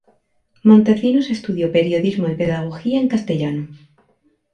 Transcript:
Montecinos estudió periodismo y pedagogía en castellano.